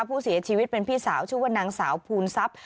ผู้เสียชีวิตเป็นพี่สาวชื่อว่านางสาวภูนทรัพย์